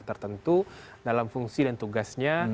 tertentu dalam fungsi dan tugasnya